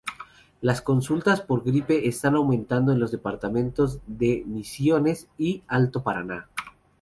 Las consultas por gripe están aumentando en los departamentos de Misiones y Alto Paraná.